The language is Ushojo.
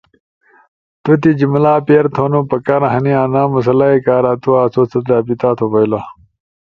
تو تی جملہ پیر تھونو پکار ہنی۔ انا مسئلہ ئی کارا تو آسو ست رابطہ تھو بئیلا۔